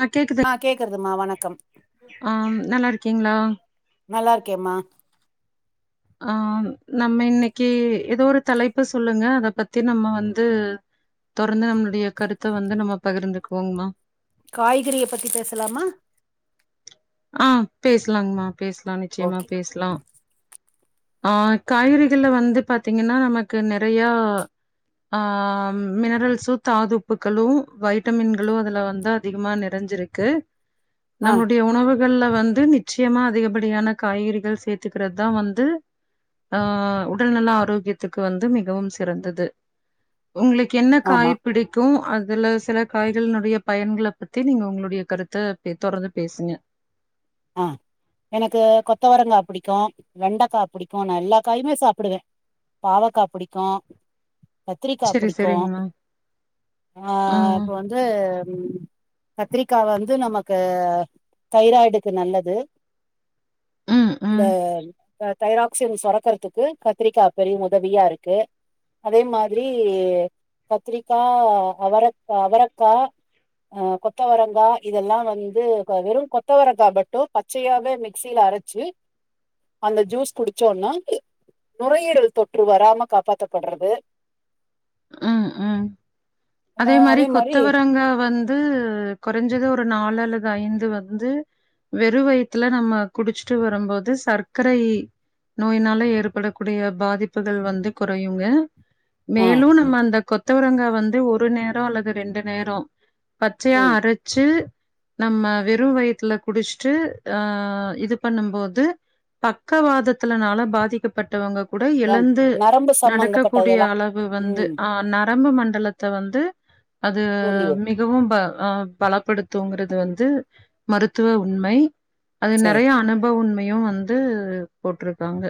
ஆ, கேக்குது கேக்குறதுமா வணக்கம் ஆ நல்லா இருக் க்கீங்களா நல்லா இருக்கேம்மா ஆ, நம்ம இன்னைக்கு ஏதோ ஒரு தலைப்ப சொல்லுங்க அத பத்தி நம்ம வந்து தொடர்ந்து நம்மளுடைய கருத்த வந்து நம்ம பகிர்ந்துக்குவோங்மா காய்கறிய பத்தி பேசலாமா ஆ, பேசலாங்ம்மா பேசலா நிச்சயமா ஓகே பேசலா ம். ஆ, காய்கறிகள்ல வந்து பாத்தீங்கன்னா நமக்கு நிறையா ஆ, மினரல்ஸு தாதுப்புகளு வைட்டமின்களு அதுல வந்து அதிகமா நிறைஞ்சிருக்கு. ஆ நம்மளுடைய உணவு வெள்ல வந்து நிச்சயமா அதிகப்படியான காய்கறிகள் சேத்துக்கிறது தா வந்து ஆ உடல்நல ஆரோக்கியத்துக்கு வந்து மிகவு சிறந்தது உங்களுக்கு என்ன ஆமா காய் பிடிக்கும் அத் இதுல சில காய்கள்னுடைய பயன்கள பத்தி நீங்க உங்களுடைய கருத்த பெ தொடர்ந்து பேசுங்க ஆ, எனக்கு கொத்தவரங்கா பிடிக்கு வெண்டக்கா பிடிக்கு நா எல்லா காயுமே சாப்பிடுவே பாவக்கா புடிக்கு. கத்திரிக்கா சரி, பிடிக்கு சரிங்கம்மா. ஆ ம். இப்போ வந்து ம் கத்திரிக்கா வந்து நமக்கு தைராய்டு இது நல்லது ம், இந்த ம், அ தைராக்சின் சுரக்கறதுக்கு கத்திரிக்கா பெரிய உதவியா இருக்கு அதே மாதிரி பத்திரிக்கா அவரக்க அவரக்கா அ கொத் கொத்தவரங்கா இதெல்லா வந்து வெறு கொத்தவரங் [unintelligible] டோ பச்சையாவே மிக்சில அரைச்சு அந்த ஜூஸ் குடிச்சோனா நுரையீரல் தொற்று வராம காப்பாத்தப்பட்றது உம் உம் ந அதே மாதிரி மாரி கொத்தவரங்கா வந்து குறைஞ்சது ஒர் ஒரு நாலு அல்லது ஐந்து வந்து வெற வயிறத்துல நம்ம குடிச்சுட்டு வரும்போது சர்க்கரை நோயினால ஏற்படக்கூடிய பாதிப்புகள் வந்து குறையுங்க ஆ மேலூனா அந்த கொத்தவரங்க வந்து ஒரு நேரோ அல்லது ரெண்டு நேரோ பச்சையா ம் அரைச்சு நம்ம வெறும் வயத்துல குடிச்சுட்டு ஆ இது பண்ணும்போது பக்கவாதத்துலனால பாதிக்கப்பட்டவங்கக் உடல் தான் எழுந்து நரம்பு நடக்க கூடிய சம்பந்தப்பட்டதெல்லாம் அளவு வந்து ம் ஆ, நரம்பு மண்டலத்த வந்து அது தூண்டிவிடும் மிகவு ப அ பலப்படுத் தூங்குறது வந்து மருத்துவ உண்மை அது சரி நெறைய அனுபவ உண் [unintelligible] வந்து போட்டிருக்காங்க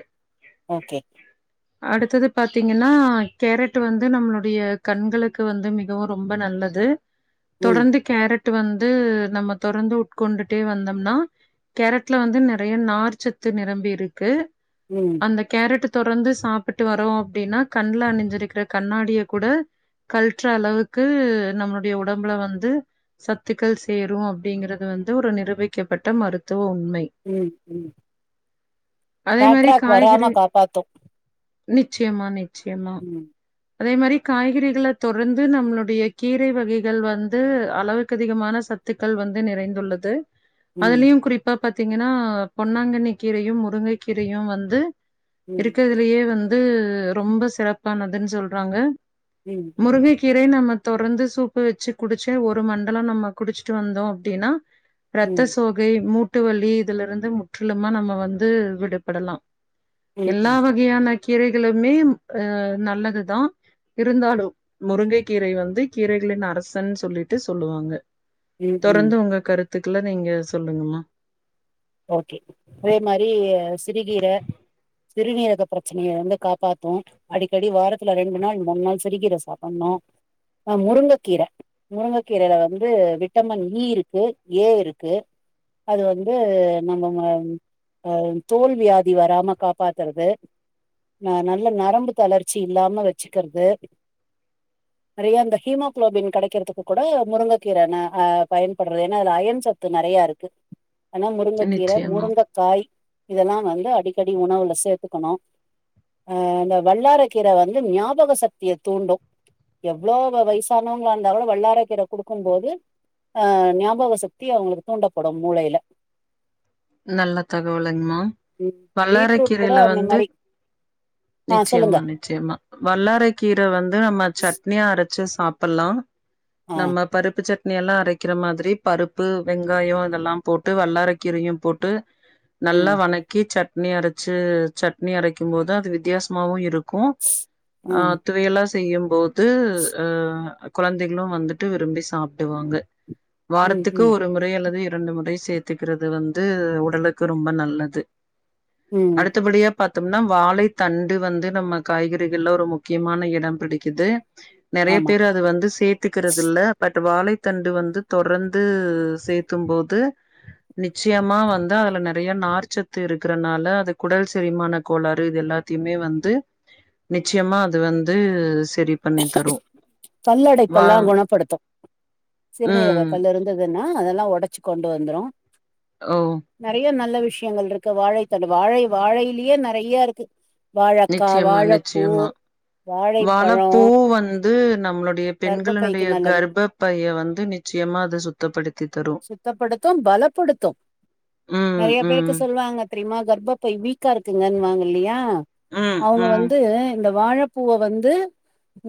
ஓகே அடுத்தது பாத்தீங்கன்னா கேரட் வந்து வந்து நம்மளுடைய கண்களுக்கு வந்து மிகவும் ரொம்ப நல்லது ம் தொடர்ந்து கேரட் வந்து நம்ம தொடர்ந்து உட்கொண்டுட்டே வந்தோம்னா கேரட்ல வந்து நெறைய நார்ச்சத்து நிரம்பி இருக்கு ம் அந்த கேரட் தொடர்ந்து சாப்பிட்டு வரோம் அப்படின்னா கண்ல அணிஞ்சிருக்க கண்ணாடிய கூட கழற்ற அளவுக்கு நம்மளுடைய உடம்புல வந்து சத்துக்கள் சேரும் அப்படிங்கிறது வந்து ஒரு நிரூபிக்கப்பட்ட மருத்துவ உண் உம் உம் அதே மாரி பேட்ராக் காய்கறி வராம காப்பாத்தோம் நிச்சயமா நி ச்சயமா அதே மாதிரி காய்கறிகளை தொடர்ந்து நம்மளுடைய கீரை வகைகள் வந்து அளவுக்கு அதிகமான சத்துக்கள் வந்து நிறைந்துள்ளது ம் அதுலயும் குறிப்பா பாத்தீங்கன்னா பொன்னாங்கண்ணி கீரையும் முருங்கை கீரையும் வந்து ம் இருக்கதுலயே வந்து து ரொம்ப சிறப்பானது துனு சொல்றாங்க ம் ம் முருங்கை கீரை நம்ம தொடர்ந்து சூப்பு வச்சு குடிச்சே ஒரு மண்டலம் நம்ம குடிச்சிட்டு வந்தோம் அப்படின்னா இரத்த ம் சோகை மூட்டு முட்டுவலி இதுல இருந்து முற்றிலுமா நம்ம வந்து விடுபடலாம் ம் எல்லா ம் வகையான கீரைகளுமே அஹ் நல்லதுதான் இருந்தாலும் முருங்கை கீரை வந்து கீரைகளின் அரசன்னு சொல்லிட்டு சொல்லுவாங்க ம் ம் தொடர்ந்து உங்க கருத்து த்துக்குள்ள நீங்க சொல்லுங்கம்மா ஓகே அதே மாதிரி சிறுகீரை சிறுநீரக பிரச்சனைய வந்து காப்பாத்தும் அடிக்கடி வாரத்துல ரெண்டு நாள் மூணு நாள் சிறுகீரை சாப்பிடணும் ஆஹ் முருங்கைக்கீரை முருங்கைக்கீரையில வந்து விட்டமின் இ இருக்கு ஏ இருக்கு அது வந்து நம்ம அ தோல் வியாதி வராம காப்பாத்துறது நல்ல நரம்பு தளர்ச்சி இல்லாம வச்சுக்கிறது நெறைய அ ஹீமோகுளோபின் கிடைக்கிறதுக்கு கூட முருங்கைக்கீரை் பயன்படுறது ஏன்னா அயன்சத்து நெறைய இருக்கு கீர நிச்சயமா. முருங்கக்காய் இதெல்லாம் வந்து அடிக்கடி உணவுல சேர்த்துக்கணும் அஹ் இந்தந்த வல்லாரக்கீரை வந்து ஞாபக சக்தியை தூண்டும் எவ்வளவு வயசானவங்களா இருந்தா கூட வல்லாரக்கீரை கொடுக்கும் போது அஹ் ஞாபக சக்தி அவங்களுக்கு தூண்டப்படும் மூளையில நல்லா தகவல் துங்மா ம் பீட்ரூட் கூட வல்லறைக்கீரைல அந்த வந்து மாரி ஆ நிச்சயமா சொல்லுங்க நிச்சயமா வல்லறைக்கீரை வந்து நம்ம சட்னியா அரைச்சு வச்சு சாப்பிடலாம் ஆ நம்ம பருப்பு சட்ட ட்னி எல்லா அரைக்கிற மாதிரி பருப்பு வெங்காயோ இதெல்லா போட்டு வல்லார கீரையும் போட்டு நல்ல ம் வணக்கி சட் சட்னி அரைச்சு சட்னி அரைக்கும் போது அது வித்தியாசமாவும் இருக்கு க்கும் ம் அஹ் துவையலா செய்யும் போ உ அஹ குழந்தைகளும் வந்துட்டு விரும்பி சாப்பிடுவாங்க ம் வாரத்துக்கு ம் ஒரு முறை அல்லது இர ரெண்டு முறை சேர்த்துக்கிறது வந் ந்து உடலுக்கு ரொம்ப நல்லது ம் அடுத்தபடிய பாத்தோம்னா வாழை தண்டு வந்து நம்ம காய்கறிகள்ல ஒரு முக்கியமான இடம் பிடிக்குது நெறைய ஆமா பேர் அது வந்து சேத்துக்கிறது இல்ல பட் ட் வாழைத்தண்டு வந்து தொடர்ந்து சேத்தும் போது நி நிச்சயமா வந்து அதுல நெறைய நார்ச்சத்து இருக்கிறனால அது குடல் செரிமான கோளாறு இது எல்லாத்தையுமே வந்து நிச்சயமா அது வந்து செ வா கல்லடைப்பல்லா குணப்படுத்து சிறுநீரக ம். கல்ல இருந்தது னா அதெல்லா உடைச்சு கொண்டு வந்துரு ஓ! நெறையா நல் நல்ல விஷயங்கள் இருக்கு வாழைத்தண்டு வாழை வாழையிலேயே நெறையா இருக்கு வாழக்கா நிச்சயமா, வாழப்பூ வாழைப் வாழப் பூ வந் து நம்ளோட டைய கர்ப்பப்பைக்கு பெண்களினுடைய நல்லது கர்ப பைய வந்து நிச்சயமா அது சுத் துப்படி சுத்தப்படுத்து பலப்படுத்தோ ம், நெறைய பேர்க்கு ம், சொல்வாங்க தெரியுமா கர்ப பை வீக் க்கா இருக்குங்கன்னு வாங்கலியா ம், அவுங்க ம், வந்து அந்த வாழப்பூவ வந்து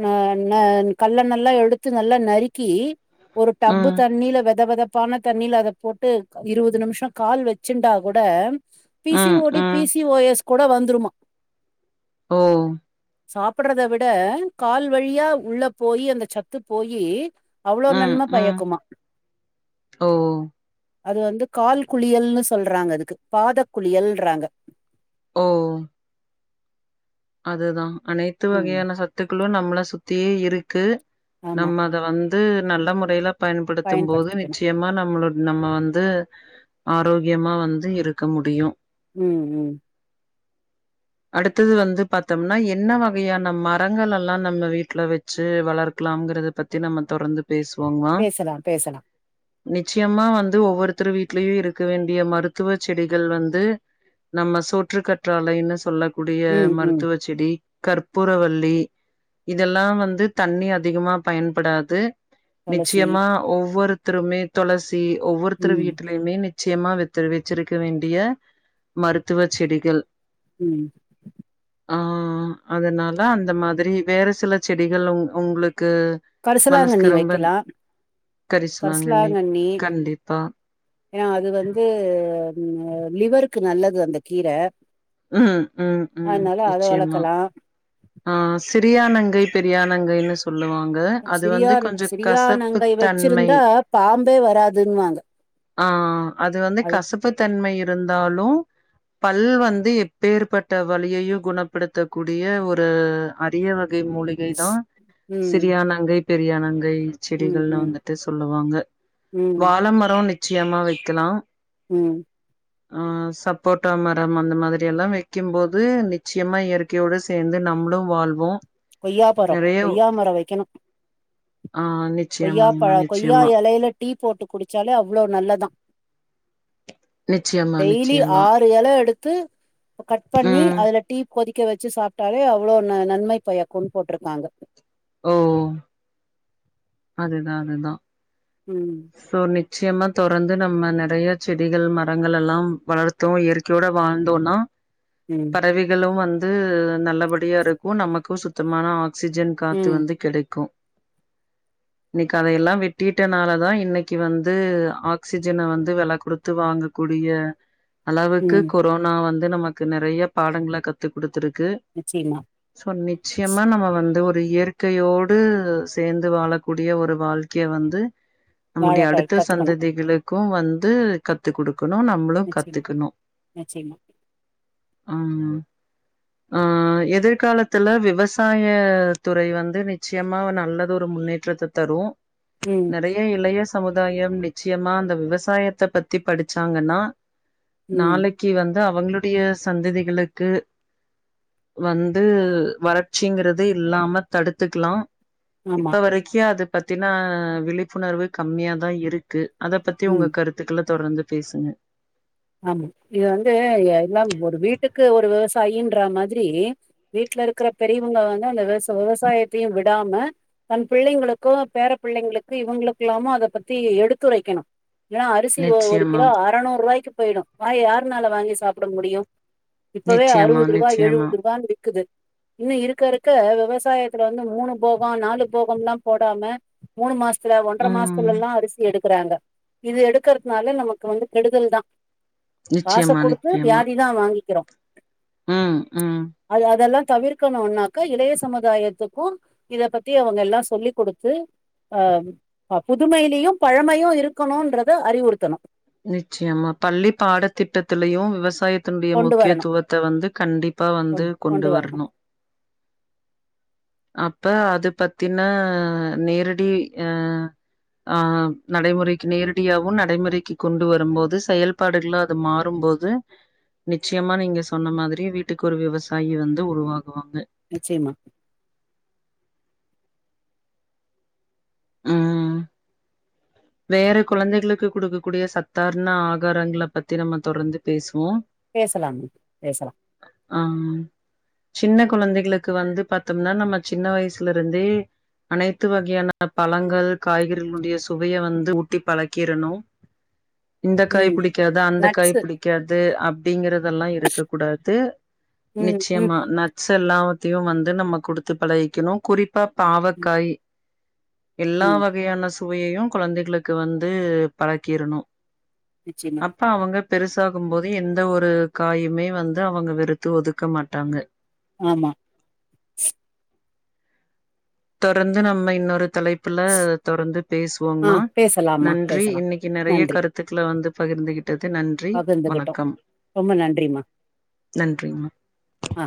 அ ந கல்ல நல்லா எடுத்து நல்லா நறிக்கி ஒரு டப்பு ம், தண்ணியில வெத வெதப் பான தண்ணியில அத போட்டு இருவது நிமிஷம் கால் வச்சுண்டா கூட பி சி ம், ஓ டி பி ம். சி ஓ எஸ் கூட வந்துருமா ஓ சாப்பிடுறத விட கால் வழியா உள்ள போயி் அந்த சத்து போயி அவ்ளோ ம், நன்ம ம். பையக்குமா ஓ அது வந்து கால் குளியல்ன்னு சொல்றாங்க அதுக்கு பாத குளியல்றாங்க ஓ அதுதா அனைத்து ம் வகையான சத்துக்களு நம்மள சு திய இருக்கு ஆமா நம்ம அத வந்து நல்ல முறையல பயன்படுத்தும் போது பயன்படுத்திக்கணு நிச்சயமா நம்மளட நம்ம வந்து ஆரோக்கியமா வந்து இருக்க முடியு உம் உம் அடுத்தது வந்து பாத்தோம்னா என்ன வகையான மரங்கள் எல்லா நம்ம வீட்டில வெச்சு வளர்க்கலாம்ங்கிறத பற்றி நம்ம தொடர்ந்து பேசுவோங்கம்மா. பேசலாம் பேசலாம் நிச்சயமா வந்து ஒவ்வொருத்தர் வீட்லயும் இருக்க வேண்டிய மருத்துவ செடிகள் வந்து நம்ம சோற்று கற்றாலைன்னு சொல்ல குடிய ம் ம் மப செடி கற்பூரவல்லி இதெல்லாம் வந்து தண்ணி அதிகமா பயன்படாது துளசி நிச்சயமா ஒவ்வொரு திருமே தொளசி ஒவ்வொருத்தர் ம் வீட்டுலயுமே நிச்சயமா வச்சி வச்சிருக்க வேண்டிய மருத்துவ செடிகள் உம் ஆஹ் அதனால அந்த மாதிரி வேற சில செடிகள் உங் உங்களுக்கு மனசுக்கு கரிசலாங்கண்ணி ரொம்ப வைக்கலா கரிசலாங்க இன்னைக் கரிசலாங்கண்ணி கண்டிப்பா ஏனா அது வந்து ம் உம் லிவருக்கு நல்லது அந்த கீரை உம் உம் உம் நிச்சயமா வளக்கலா ஆஹ் ஸ் சிறியானங்கை பெரியானங்கைன்னு சொல் சொல்லுவாங்க அது வந்து சிரியான் கொஞ்சம் கசப்பு சிரியானங்கை தன்மை வச்சிருந்தா பாம்பே வராதுன்னுவாங்க ஆஹ் அது வந்து கசப்பு தன்மை இருந்தாலு பல் வந்து எப்பேற்பட்ட வழியையும் குணப்படுத்தக்கூடிய ஒரு அரியவ கை மூலிகை தான் ம் சிரியா நங்கை பெரியானங் கை ம் செடிகள்ல ம் வந்துட்டு சொல்லுவாங்க ம் வாழ மரம் நிச்சயமா வைக்கலாம் உம் ஆ சப்போட்டா மரம் அந்த மாதிரி எல்லா வெக்கும்போது நிச்சயமா இயற்கையோடு சேந்து நம்மளு வாழ்வோ கொய்யா பரோ நெறைய கொய்யா மரோ வெக்கணு ஆ கொய்யா பழ நிச்சயமாங்மா கொய்யா நிச்சயமா எலைல டீ போட்டு குடிச்சாலே அவ்ளோ நல்லதா நிச்சயமா டெய்லி நிச்சயமா ஆறு எல எடுத் து கட் பண்ணி ம் அதுல டீ கொதி க்க வெச்சு சாப்ட்டாலே அவ்ளோ ந நன்மை பயக்குன் போட்ருக்காங்க ஓ அதுதா அதுதா உம் ச்சயமா தொரந்து நம்ம நெறைய செடிகள் மரங்கள் எல்லாம் வளர்த்தோ இயற்கையோட வாழ்ந்தோனா ம் பறவைகளு வந் து நல்லபடியா இருக்கு நமக்கு சுத்தமான ஆக் சிஜன் காத்து ம் வந்து கிடைக்கு இன்னைக்கு அதயெல்லா வெட்டிட்டனால தா இன்னைக்கு வந்து ஆக்சிஜன வந்து வெல குடுத்து வாங்கக்கூடிய அளவுக்கு ம் கொரோனா வந் து நமக்கு நெறைய பாடங்கள கத்து குடுத்திருக் கு நிச்சயமா சோ நிச்சயமா நம்ம வந்து ஒ ரு இயற்கையோடு சேந் து வாழக்கூடிய ஒரு வாழ்க்கைய வந்து வாழ நம்முடைய அடுத்த கத்துக்கணும். சந்ததிகளு க்கு வந்து கத்து குடு க்கனு நம்மளு நிச்சயமா, கத்துக்கனு நிச்சயமா. ஆ ஆ எதிர்காலத்துல விவசாயத் துறை வந்து நிச்சயமா நல்ல ஒரு முன்னேற்றத்த தரு ம், நெறைய இளைய சமுதாயம் நிச்சயமா அந்த விவசாயத்த பத்தி படிச்சாங்கன்னா ம். நாளைக்கு வந் து அவங்களுடைய சந்ததிகளுக்கு வந்து வறட்சிங்கறதே இல்லாம தடுத்துக்கலா ஆமா, இப்ப வரைக்கு அது பத்தின விழிப்புணர்வு கம்மியா தா இருக்கு அத பத்தி உங்க ம். கருத்துக்கள தொடர்ந்து பேசுங்க ஆமா இது வந்து எல்லாம் ஒரு வீட்டுக்கு ஒரு விவசாயின்ற மாதிரி வீட்டுல இருக்கற பெரியவங்க வந்து அந்த விவ விவசாயத்தையும் விடாம தன் பிள்ளைங்களுகும் பேர பிள்ளைங்களுக்கும் இவங்களுகெல்லாமோ அத பத்தி எடுத்துரைகணும் ஏன்னா அரிசி ஒரு நிச்சயமா கிலோ அறநூரூபாய்க்கு போய்டும் வாய் யாருனால வாங்கி சாப்பிட முடியும் இப்பவே நிச்சயமா, அறுவது ரூபா நிச்சயமா. எழுவது ரூபானு விக் க்குது இன்னும் இருக்க இருக்க விவசாயத்துல வந்து மூணு போகம் நாலு போகம்லா போடாம மூணு மாசம் சில ஒன்றட ம். மாசதுல ‌ல்லாம் அரிசி எடு ப்றாங்க இது எடுக்கறதுனால நமக்கு வந்து கெடுதல் தான் காச நிச்சயமா, குடுத்து நிச்சயமா. வியாதி தான் வாங்கிக்றோம் ம் ம் தவிர்க்கணுனாக்க இளைய சமுதாயத்துக்கும் இத பத்தி அவங்க எல்லாம் சொல்லி் குடுத்து அ புதுமையிலயும் பழமையு இருக்கணுன்றத அறிவுறுதணும் நிச்சயமா பள்ளி பாடத்திட்டத்திலயும் விவசாய த்தம்பிய கொண்டு வரணு முக்கியத்துவத்த வந்து கண்டிப்பா வந்து கொண் கொண்டு வரணு வரணும் அப்ப அது பத்தின நேரடி அ அ நடைமுறைக்கு நேரடியாவும் நடைமுறைக்கு கொண்டு வரும்போது செயல்பாடுகள்லா அது மாறும்போது நிச்சயமா நீங்க சொன்ன மாதிரி வீட்டுக்கு ஒரு விவசாயி வந்து உருவாக்கும் நிச்சயமா ஹங் ஹ வேற குழந்தைகளுக்கு கொடுக்க கூடிய சத்தார்ண ஆகாரங்களை பத்தி நம்ம தொடர்ந்து பேசு நோ பேசலாம் பேசலா ஆஹ் சின்ன குழந்தைகளுக்கு வந்து பாத்தோம்னா நம்ம சின்ன வயசுல இருந்தே அனைத்து வகையான பழங்கள் காய்கறிகளுடைய வைய வந்து ஊட்டி பழக்கிறணும் இந்த காய் ம் புடிக்காது அந்த காய் நட்ஸு புடிக்காது அப்படிங்கறதெல்லாம் இருக்க கூடாது ம் ம் நிச்சயமா நட்ஸ் எல்லாம் தே வந்து நம்ம குடுத்து பழகிகணு குறி அப்ப ம் பாவக்காய் எல்லா ம் வகையான சுவயையும் குழந்தைகளுக்கு வந்து பழக்கிறணு நிச்சயமா அப்ப அவங்க பெருஸ் தாகும் போது எந்த ஒரு காயுமே வந்து அவங்க வெறுத்து ஒதுக்க மாட்டாங்க ஆமா தொரர்ந்து நம்ம இன்னொரு தலைப்புல தொடர்ந்து ஆ பேசுவோங்னா பேசலாம்மா நன்றி பேசலா இன்னைக்கு நெறைய நன்றி கருத்துக்கள வந்து பகிர்ந்துகிட் துக் நன்றி பகிர்ந்துகிட்டோ வணக்கம் ரொம்ப நன்றிமா நன்றிமா ஆ